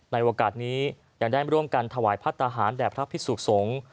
ในโอกาสนี้ยังได้ร่วมกันถวายพัฒนาหารแด่พระพิสุขสงฆ์